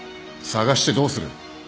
捜してどうする